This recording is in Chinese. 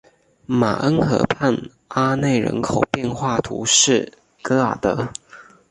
马恩河畔阿内人口变化图示戈尔德